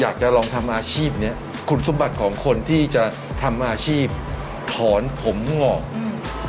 อยากจะลองทำอาชีพเนี้ยคุณสมบัติของคนที่จะทำอาชีพถอนผมงอกอืม